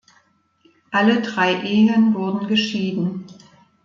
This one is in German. Alle drei Ehen wurden geschieden.